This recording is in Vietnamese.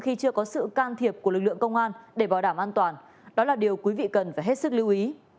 khi chưa có sự can thiệp của lực lượng công an để bảo đảm an toàn đó là điều quý vị cần phải hết sức lưu ý